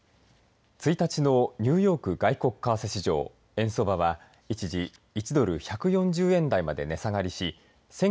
１日のニューヨーク外国為替市場円相場は一時１ドル１４０円台まで値下がりし